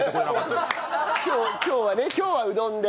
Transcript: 今日はね今日はうどんで。